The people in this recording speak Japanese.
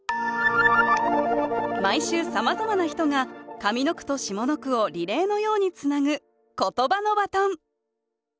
毎週さまざまな人が上の句と下の句をリレーのようにつなぐ「ことばのバトン」。